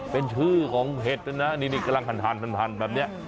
เป็นชื่อของเห็ดนะนะนี่กำลังหั่นแบบนี้